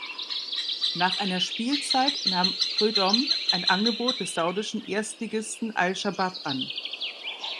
Nach einer Spielzeit nahm Preud’homme ein Angebot des saudischen Erstligisten Al-Shabab an.